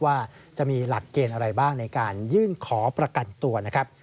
ว่าจะมีหลักเกณฑ์อะไรบ้างในการยื่นขอประกันตัวนะครับ